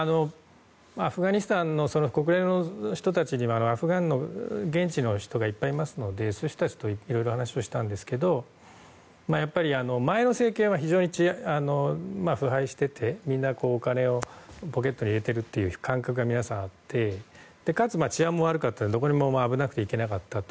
アフガニスタンの国連の人たちには現地の人がたくさんいますのでそういう人たちといろいろ話をしたんですけどやっぱり、前の政権は非常に腐敗していてみんなお金をポケットに入れている感覚が皆さん、あってかつ治安も悪くてどこにも危なくて行けなかった。